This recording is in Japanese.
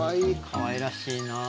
かわいらしいなあ。